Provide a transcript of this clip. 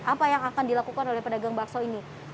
apa yang akan dilakukan oleh pedagang bakso ini